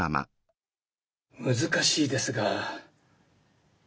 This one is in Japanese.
難しいですが。